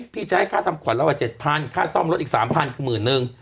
พี่จะให้ค่าทำขวัญเราอ่ะเจ็ดพันค่าซ่อมรถอีกสามพันคือหมื่นหนึ่ง